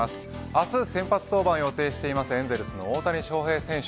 明日先発登板を予定しているエンゼルスの大谷翔平選手。